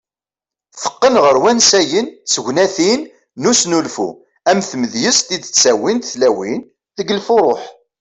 Teqqen ɣer wansayen d tegnatin n usnulfu ,am tmedyazt i d -ttawint tlawin deg lfuruh.